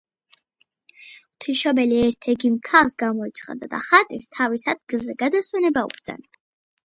ღვთისმშობელი ერთ ექიმ ქალს გამოეცხადა და ხატის თავის ადგილზე გადასვენება უბრძანა.